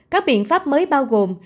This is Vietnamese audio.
các biện pháp mới bao gồm